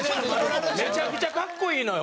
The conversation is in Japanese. めちゃくちゃ格好いいのよ。